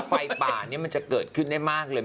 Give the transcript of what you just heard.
ไฟป่านี้มันจะเกิดขึ้นได้มากเลย